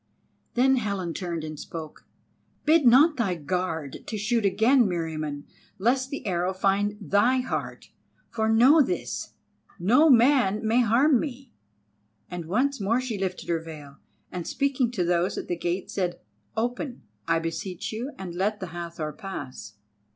Then Helen turned and spoke: "Bid not thy guard to shoot again, Meriamun, lest the arrow find thy heart, for, know this, no man may harm me;" and once more she lifted her veil, and speaking to those at the gates said: "Open, I beseech you, and let the Hathor pass."